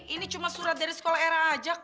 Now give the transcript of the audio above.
ini cuma surat dari sekolah era aja